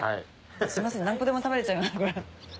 すいません何個でも食べれちゃいます。